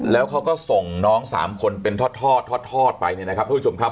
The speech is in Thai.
แล้วเขาก็ส่งน้อง๓คนเป็นทอดทอดไปเนี่ยนะครับทุกผู้ชมครับ